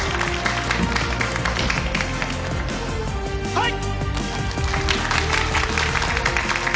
はい！